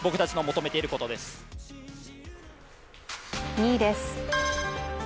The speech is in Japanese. ２位です。